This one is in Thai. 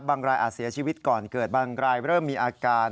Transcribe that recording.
รายอาจเสียชีวิตก่อนเกิดบางรายเริ่มมีอาการ